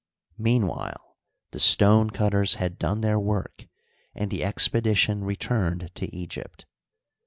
Meanwhile the stone cutters had done their work, and the expedition returned to Egypt.